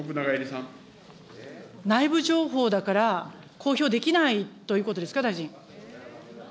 内部情報だから、公表できないということですか、大臣。